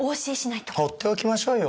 放っておきましょうよ